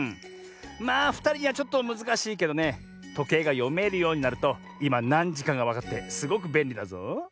まあふたりにはちょっとむずかしいけどねとけいがよめるようになるといまなんじかがわかってすごくべんりだぞ。